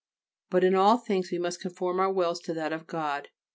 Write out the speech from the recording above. [B] But in all things we must conform our wills to that of God.